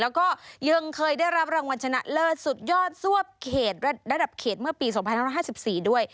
แล้วก็ยังเคยได้รับรางวัลชนะเลิศสุดยอดซวบเขตระดับเขตเมื่อปี๒๕๕๔ด้วย